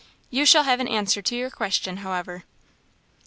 You shall have an answer to your question, however."